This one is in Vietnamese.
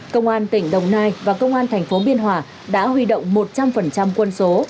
công an tỉnh đồng nai và công an tp biên hòa đã huy động một trăm linh quân số